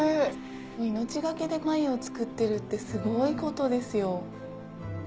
命懸けで繭を作ってるってすごいことですよ。